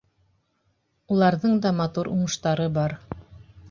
Уларҙың да матур уңыштары бар.